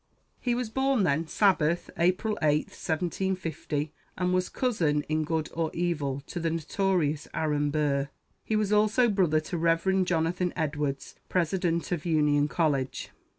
He was born, then, Sabbath, April 8, 1750, and was cousin, in good or evil, to the notorious Aaron Burr. He was also brother to Rev. Jonathan Edwards, president of Union College.